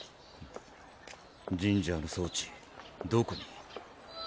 ジンジャーの装置どこに？